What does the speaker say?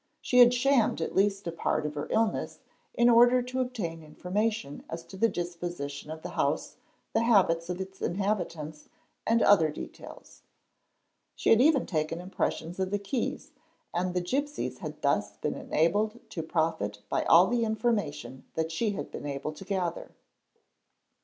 — She had shammed at least a part of her illness in order to obtain infor — mation as to the disposition of the house, the habits of its inhabitants, — and other details; she had even taken impressions of the keys, and the gipsies had thus been enabled to profit by all the information that she had been able to gather.